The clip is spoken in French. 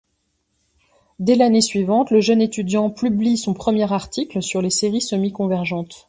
Dès l'année suivante, le jeune étudiant publie son premier article sur les séries semi-convergentes.